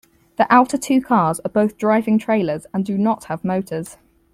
The outer two cars are both driving trailers and do not have motors.